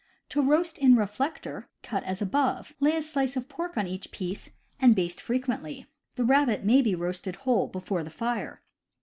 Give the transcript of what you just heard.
To roast in reflector: cut as above, lay a slice of pork on each piece, and baste frequently. The rabbit may be roasted whole before the fire.